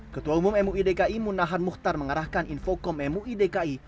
ketua umum muidki munahan mukhtar mengarahkan infocom muidki